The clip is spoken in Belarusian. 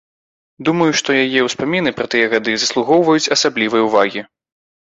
Думаю, што яе ўспаміны пра тыя гады заслугоўваюць асаблівай увагі.